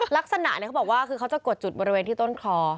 ลักษณะเขาบอกว่าคือเขาจะกดจุดบริเวณที่ต้นคอ